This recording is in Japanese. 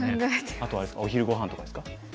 あとはあれですかお昼ごはんとかですか？